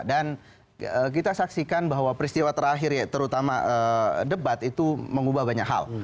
dan kita saksikan bahwa peristiwa terakhir ya terutama debat itu mengubah banyak hal